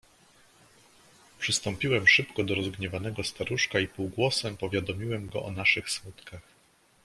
"Przystąpiłem szybko do rozgniewanego staruszka i półgłosem powiadomiłem go o naszych smutkach."